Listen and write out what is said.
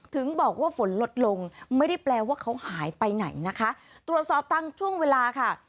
ถึงบอกว่าฝนลดลงไม่ได้แปลว่าเขาหายไปไหนนะคะตรวจสอบตั้งช่วงเวลาค่ะ